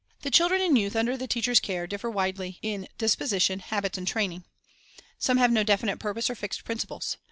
The children and youth under the teacher's care differ widely in disposition, habits, and training. Some have no definite purpose or fixed principles.